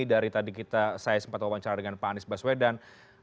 dari tadi kita saya sempat wawancara dengan pak anies baswedan